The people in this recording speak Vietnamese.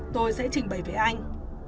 tôi sẽ trình bày với anh